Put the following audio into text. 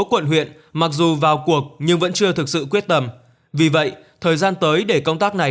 quận huyện mặc dù vào cuộc nhưng vẫn chưa thực sự quyết tâm vì vậy thời gian tới để công tác này